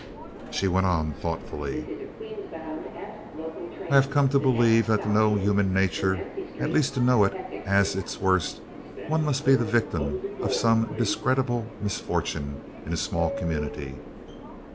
She went on thoughtfully: "I have come to believe that to know human nature at least to know it as its worst one must be the victim of some discreditable misfortune in a small community.